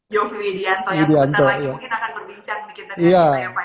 yofi widianto ya sebentar lagi mungkin akan berbicara di kita ya pak